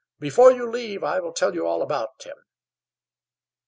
Before you leave I will tell you all about him."